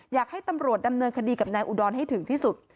อยากให้ตำรวจดำเนินคดีกับนายอุดรให้ถึงที่สุด